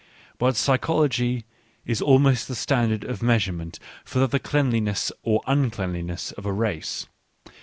But psychology is almost the standard of measurement for the cleanliness or uncleanliness of a race.